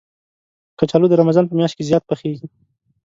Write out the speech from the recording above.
کچالو د رمضان په میاشت کې زیات پخېږي